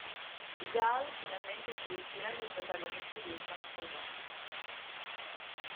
I Gaal finalmente si ritirano e i protagonisti riescono a salvarsi.